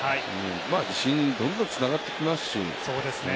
自信、どんどんつながってきますし。